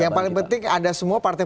yang paling penting ada semua partai